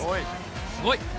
すごい！